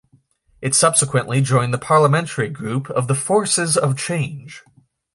It subsequently joined the Parliamentary Group of the Forces of Change.